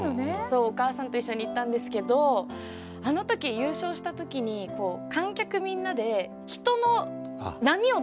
そうお母さんと一緒に行ったんですけどあの時優勝した時に観客みんなで人の波を作ったんですよ。